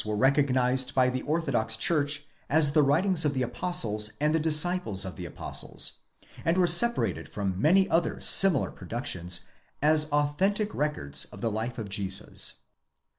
were recognized by the orthodox church as the writings of the Apostles and the disciples of the Apostles ; and were separated from many other similar productions as authentic records of the life of Jesus.